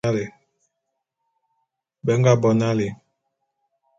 Be nga bo nalé.